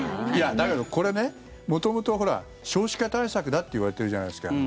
だけど、これ、元々少子化対策だっていわれてるじゃないですか。